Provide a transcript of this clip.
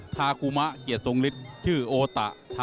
ตาคุมะเเกียจซงฤทธิ์